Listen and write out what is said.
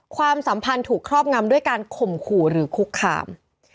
ความสัมพันธ์ถูกครอบงำด้วยการข่มขู่หรือคุกคาม